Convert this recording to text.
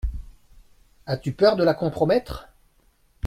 As-tu peur de la compromettre ?